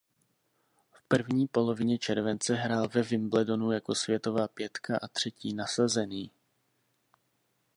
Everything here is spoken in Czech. V první polovině července hrál ve Wimbledonu jako světová pětka a třetí nasazený.